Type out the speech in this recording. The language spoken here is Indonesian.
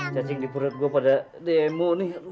cacing di perut gue pada demo nih